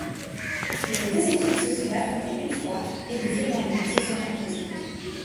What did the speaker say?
Les deux équipes se sont affrontées une fois et les Irlandais se sont imposés.